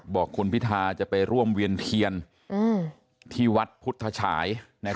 บอกคุณพิทาจะไปร่วมเวียนเทียนที่วัดพุทธฉาย